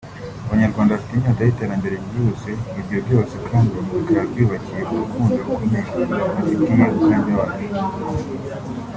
Abanyarwanda bafite inyota y’iterambere ryihuse ibyo byose kandi bikaba byubakiye ku rukundo rukomeye bafitiye umukandida wacu